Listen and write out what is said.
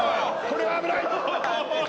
これは危ない！